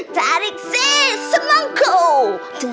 tarik si semangkuk